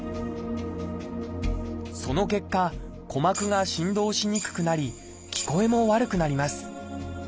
その結果鼓膜が振動しにくくなり聞こえも悪くなります。